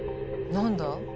何だ？